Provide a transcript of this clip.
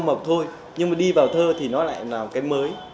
câu mộc thôi nhưng mà đi vào thơ thì nó lại là một cái mới